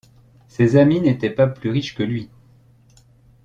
Ses amis n’étaient pas plus riches que lui.